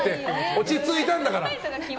落ち着いたんだから。